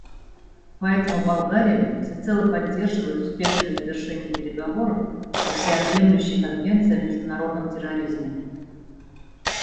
Поэтому Болгария всецело поддерживает успешное завершение переговоров по всеобъемлющей конвенции о международном терроризме.